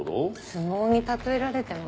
相撲に例えられても。